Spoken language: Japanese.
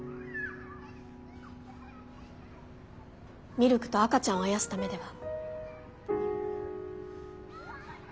ミルクと赤ちゃんをあやすためでは？